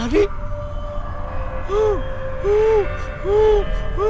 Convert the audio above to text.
babi jadinya liar